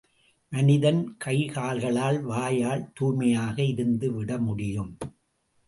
மனிதன் கைகால்களால் வாயால் தூய்மையாக இருந்துவிட முடியும்.